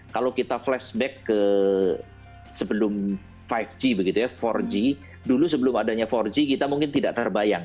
kalau kita flashback ke sebelum lima g begitu ya empat g dulu sebelum adanya empat g kita mungkin tidak terbayang